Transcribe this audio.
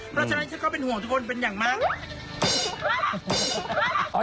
เพราะฉะนั้นฉันก็เป็นห่วงทุกคนเป็นอย่างมาก